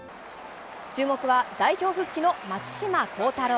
注目は代表復帰の松島幸太朗。